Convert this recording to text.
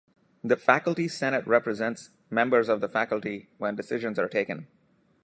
The faculty senate represents members of the faculty when decisions are taken.